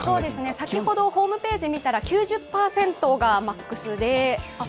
先ほどホームページを見たら、９０％がマックスで。